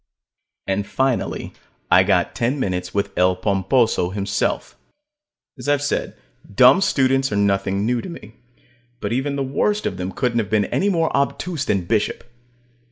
And finally I got ten minutes with El Pomposo himself. As I've said, dumb students are nothing new to me. But even the worst of them couldn't have been any more obtuse than Bishop.